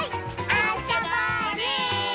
あそぼうね！